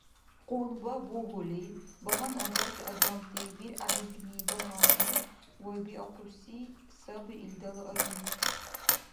Къунба бугьули, багьана агарти адамти биргӀябиргни багьандан, вайбиахъубси саби илдала аги.